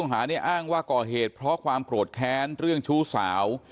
หาเนี่ยอ้างว่าก่อเหตุเพราะความโกรธแค้นเรื่องชู้สาว